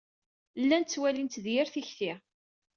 Llan ttwalin-tt d yir tikti.